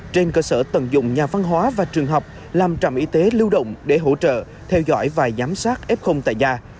trên cơ sở tận dụng nhà văn hóa và trường học làm trạm y tế lưu động để hỗ trợ theo dõi và giám sát f tại nhà